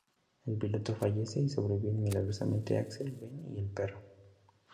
El piloto fallece y sobreviven milagrosamente Alex, Ben y el perro.